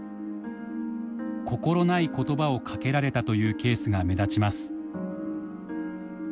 心ない言葉をかけられたというケースが目立ちます。